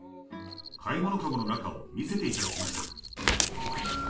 買い物カゴの中を見せていただきました。